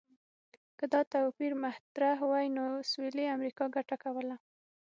که دا توپیر مطرح وای، نو سویلي امریکا ګټه کوله.